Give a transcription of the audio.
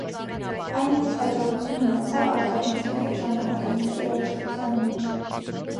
Այն մեծ հաջողություն ունեցավ ալտերնատիվ և ժամանակակից երաժշտության մեջ։